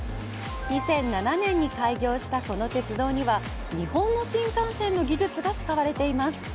２００７年に開業したこの鉄道には日本の新幹線の技術が使われています。